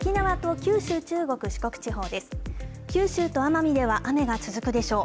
九州と奄美では雨が続くでしょう。